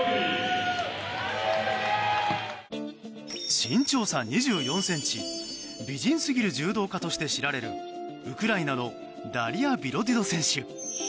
身長差２４ｃｍ美人すぎる柔道家として知られるウクライナのダリア・ビロディド選手。